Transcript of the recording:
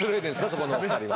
そこのお二人は。